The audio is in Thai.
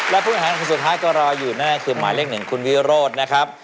และผู้หญิงหานครสุดท้ายก็รออยู่นั่นคือหมายเลข๑คุณวิโรธนะครับ